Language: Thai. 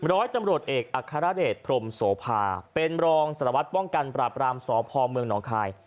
ร้อยตำรวจเอกอัครเดชพรมโสภาเป็นรองสารวัตรป้องกันปราบรามสพเมืองหนองคาย